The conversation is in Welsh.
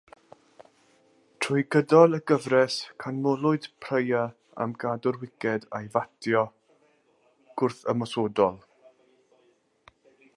Trwy gydol y gyfres canmolwyd Prior am gadw'r wiced a'i fatio gwrthymosodol.